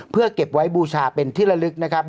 เพื่อเก็บไว้บูชาเป็นที่ละลึกนะครับ